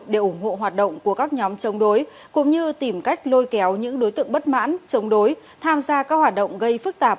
để ủng hộ hoạt động của các nhóm chống đối cũng như tìm cách lôi kéo những đối tượng bất mãn chống đối tham gia các hoạt động gây phức tạp